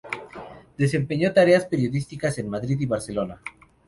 Desempeñó tareas periodísticas en Madrid y Barcelona.